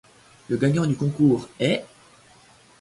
Le gagnant du concours ' est '.